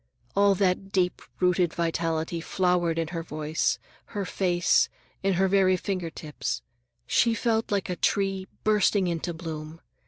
All that deep rooted vitality flowered in her voice, her face, in her very finger tips. She felt like a tree bursting into bloom.